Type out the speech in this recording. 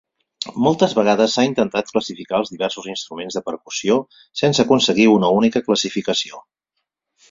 Moltes vegades s'ha intentat classificar els diversos instruments de percussió sense aconseguir una única classificació.